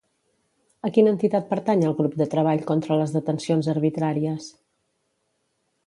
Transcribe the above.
A quina entitat pertany el grup de Treball contra les Detencions Arbitràries?